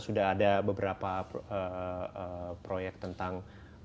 sudah ada beberapa proyek tentang